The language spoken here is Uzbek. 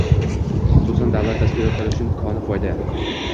xususan davlat tashkilotlari uchun koni foyda